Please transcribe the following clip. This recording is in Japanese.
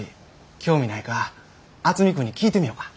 興味ないか渥美君に聞いてみよか。